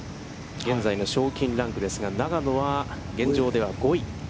現在の賞金ランクですが、永野は、現状では５位。